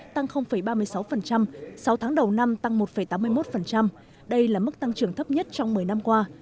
tăng ba mươi sáu sáu tháng đầu năm tăng một tám mươi một đây là mức tăng trưởng thấp nhất trong một mươi năm qua